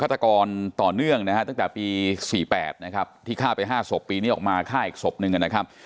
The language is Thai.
ฆาตกรต่อเนื่องนะฮะตั้งแต่ปี๔๘นะครับที่ฆ่าไป๕ศพปีนี้ออกมาฆ่าอีกศพหนึ่งนะครับ